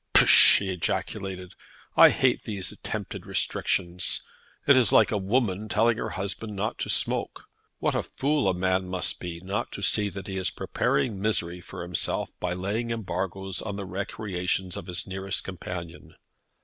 "Pish!" he ejaculated. "I hate these attempted restrictions. It is like a woman telling her husband not to smoke. What a fool a man must be not to see that he is preparing misery for himself by laying embargoes on the recreations of his nearest companion!"